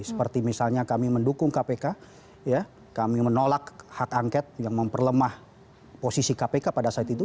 seperti misalnya kami mendukung kpk kami menolak hak angket yang memperlemah posisi kpk pada saat itu